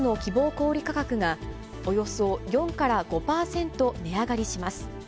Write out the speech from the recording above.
小売り価格が、およそ４から５％値上がりします。